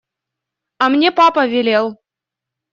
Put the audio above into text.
А мне папа велел…